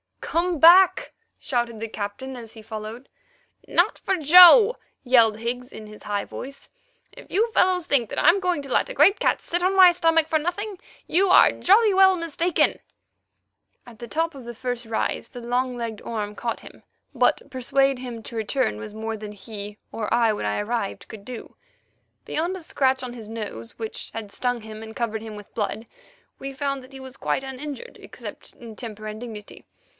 "Come back," shouted the Captain as he followed. "Not for Joe!" yelled Higgs in his high voice. "If you fellows think that I'm going to let a great cat sit on my stomach for nothing, you are jolly well mistaken." At the top of the first rise the long legged Orme caught him, but persuade him to return was more than he, or I when I arrived, could do. Beyond a scratch on his nose, which had stung him and covered him with blood, we found that he was quite uninjured, except in temper and dignity.